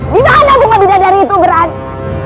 dimana bunga bidadari itu berada